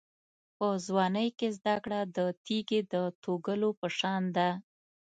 په ځوانۍ کې زده کړه د تېږې د توږلو په شان ده.